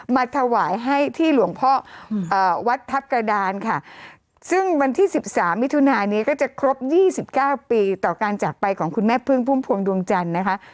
มาถวายให้ที่หลวงพ่อวัดทัพกระดานค่ะซึ่งวันที่๑๓มิถุนานี้ก็จะครบ๒๙ปีต่อการจากไปของคุณแม่พึ่งพุ่มพวงดวงจันทร์นะคะ